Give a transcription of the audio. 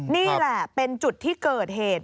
นี่แหละเป็นจุดที่เกิดเหตุ